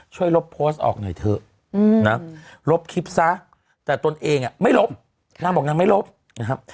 ลบโพสต์ออกหน่อยเถอะนะลบคลิปซะแต่ตนเองไม่ลบนางบอกนางไม่ลบนะครับ